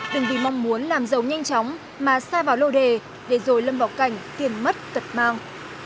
đừng vì mong muốn làm giàu nhanh chóng mà xa vào lô đề để rồi lâm vào cảnh tiền mất tật mang